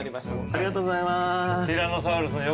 ありがとうございます。